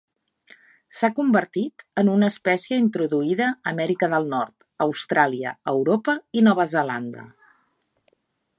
S'ha convertit en una espècie introduïda a Amèrica del Nord, Austràlia, Europa i Nova Zelanda.